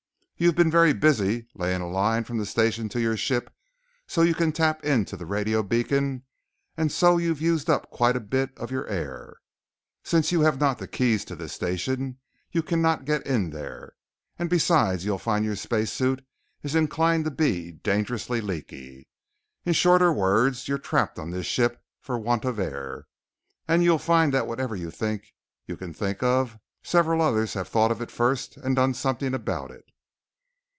You've been very busy laying a line from the station to your ship so you can tap into the radio beacon, and so you've used up quite a bit of your air. Since you have not the keys to this station, you cannot get in there, and besides you'll find that your space suit is inclined to be dangerously leaky. In shorter words you're trapped on this ship for want of air, and you'll find that whatever you think you can think of, several others have thought of it first and done something about it.